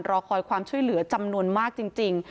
รอคอยความช่วยเหลือจำนวนมากจริง